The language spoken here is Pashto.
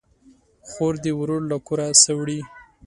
خور ده ورور له کوره سه وړي